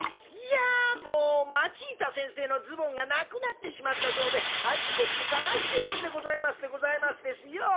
いやもうマチータ先生のズボンがなくなってしまったそうであちこちさがしているんでございますでございますですよ。